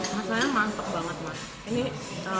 masalahnya mantap banget